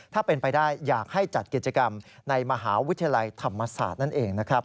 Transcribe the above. ถ้าเป็นไปได้อยากให้จัดกิจกรรมในมหาวิทยาลัยธรรมศาสตร์นั่นเองนะครับ